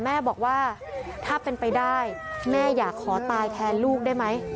แม่บอกว่าถ้าเป็นไปได้แม่อยากขอตายแทนลูกได้ไหม